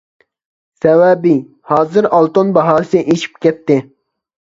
سەۋەبى: ھازىر ئالتۇن باھاسى ئېشىپ كەتتى.